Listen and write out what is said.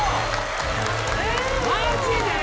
マジで？